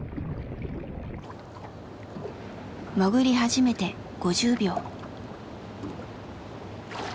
潜り始めて５０秒。